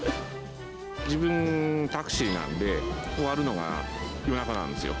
自分、タクシーなんで、終わるのが夜中なんですよ。